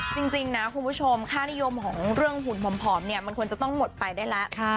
จริงนะคุณผู้ชมค่านิยมของเรื่องหุ่นผอมเนี่ยมันควรจะต้องหมดไปได้แล้ว